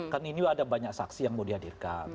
kan ini ada banyak saksi yang mau dihadirkan